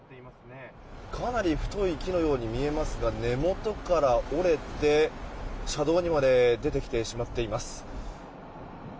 かなり太い木のように見えますが根元から折れて、車道にまで出てきてしまっています。